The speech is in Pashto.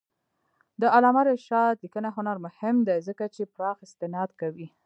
د علامه رشاد لیکنی هنر مهم دی ځکه چې پراخ استناد کوي.